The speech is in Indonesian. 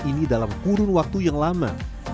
ini dalam kurun waktu yang lama